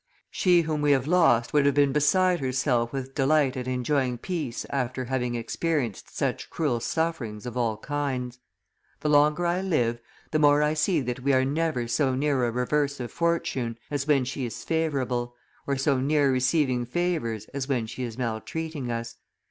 She whom we have lost would have been beside herself with delight at enjoying peace after having experienced such cruel sufferings of all kinds. The longer I live, the more I see that we are never so near a reverse of Fortune as when she is favorable, or so near receiving favors as when she is maltreating us.